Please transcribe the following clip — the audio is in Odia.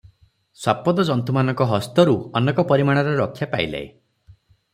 ଶ୍ୱାପଦ ଜନ୍ତୁମାନଙ୍କ ହସ୍ତରୁ ଅନେକ ପରିମାଣରେ ରକ୍ଷା ପାଇଲେ ।